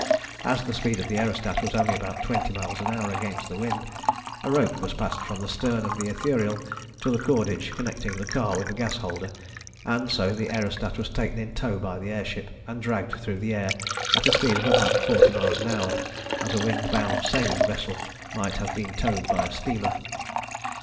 As the speed of the aerostat was only about twenty miles an hour against the wind, a rope was passed from the stern of the Ithuriel to the cordage connecting the car with the gas holder, and so the aerostat was taken in tow by the air ship, and dragged through the air at a speed of about forty miles an hour, as a wind bound sailing vessel might have been towed by a steamer.